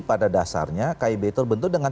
pada dasarnya kib terbentuk dengan